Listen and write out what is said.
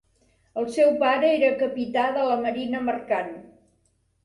El seu pare era capità de la marina mercant.